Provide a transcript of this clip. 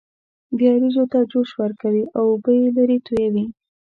بیا وریجو ته جوش ورکوي او اوبه یې لرې تویوي.